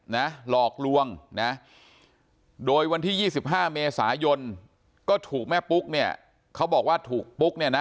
หลอกลวงนะโดยวันที่๒๕เมษายนก็ถูกแม่ปุ๊กเนี่ยเขาบอกว่าถูกปุ๊กเนี่ยนะ